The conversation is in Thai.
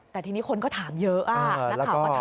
แต่ทีนี้คนก็ถามเยอะนักข่าวก็ถาม